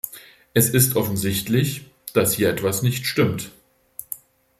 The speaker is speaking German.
Es ist offensichtlich, dass hier etwas nicht stimmt!